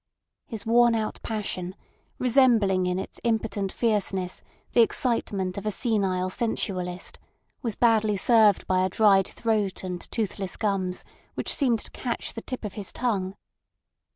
His worn out passion, resembling in its impotent fierceness the excitement of a senile sensualist, was badly served by a dried throat and toothless gums which seemed to catch the tip of his tongue.